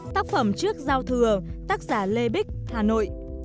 tác phẩm trước giao thừa tác giả lê bích hà nội